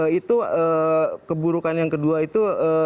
itu keburukan yang kedua itu